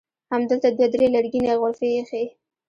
همدلته دوه درې لرګینې غرفې ایښي.